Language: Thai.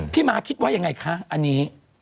พี่มาร์คิดว่ายังไงคะอันนี้